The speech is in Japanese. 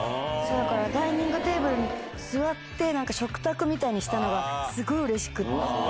ダイニングテーブルに座って食卓みたいにしたのがすごいうれしくって。